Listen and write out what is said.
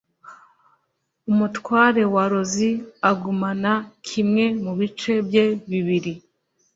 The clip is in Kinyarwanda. umutware wa lozi agumana kimwe mu bice bye bibiri